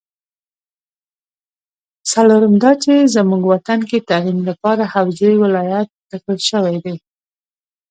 څلورم دا چې زمونږ وطن کې تعلیم لپاره حوزه ولایت ټاکل شوې ده